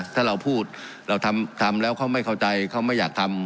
ถ้าเราพูดเราทำแล้วเขาไม่เข้าใจเขาไม่อยากทำ